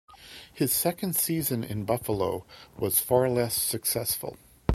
His second season in Buffalo was far less successful.